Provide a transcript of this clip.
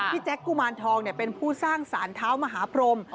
แจ๊กกุมารทองเป็นผู้สร้างสารเท้ามหาพรม